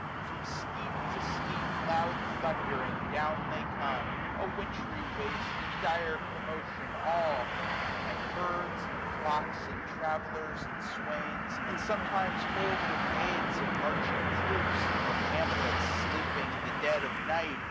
From steep to steep, loud thundering down they come, A wintry waste in dire commotion all; And herds, and flocks, and travellers, and swains, 420 And sometimes whole brigades of marching troops. Or hamlets sleeping in the dead of night.